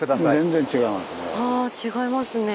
全然違いますね。